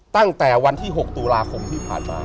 ตั้งแต่วันที่๖ตุลาคมที่ผ่านมา